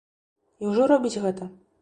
І ўжо робіць гэта.